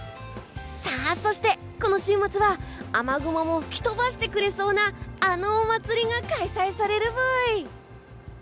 さあ、そして今週も雨雲を吹き飛ばしてくれるあのお祭りが開催されるブイ！